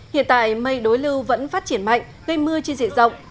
hiện tại mây đối lưu vẫn phát triển mạnh gây mưa trên diện rộng